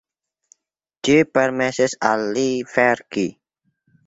Ĝi permesis al li verki.